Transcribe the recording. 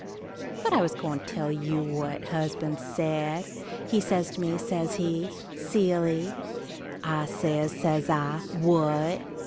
But I was going to tell what husband said. He says to me, says he, "Silly"; I says, says I, "What?"